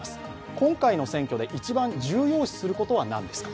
今回の選挙で一番重要視することは何ですか。